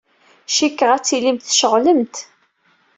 Cikkeɣ ad tilimt tceɣlemt.